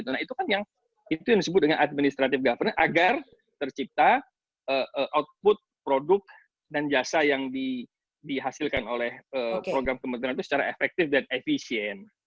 nah itu kan yang itu yang disebut dengan administratif governance agar tercipta output produk dan jasa yang dihasilkan oleh program kementerian itu secara efektif dan efisien